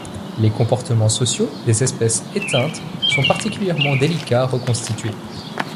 Les comportements sociaux des espèces éteintes sont particulièrement délicats à reconstituer.